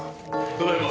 ただいま。